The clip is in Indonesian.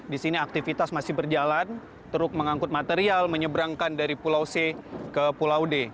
di sini aktivitas masih berjalan truk mengangkut material menyeberangkan dari pulau c ke pulau d